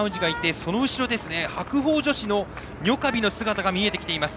その後ろ、白鵬女子のニョカビの姿が見えてきています。